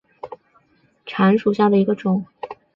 白纹歧脊沫蝉为尖胸沫蝉科歧脊沫蝉属下的一个种。